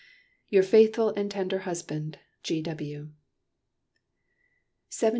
"Your faithful and tender husband, G. W."